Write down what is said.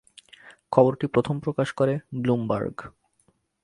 খবরটি প্রথম প্রকাশ করে ব্লুমবার্গ।